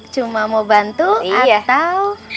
cuma mau bantu atau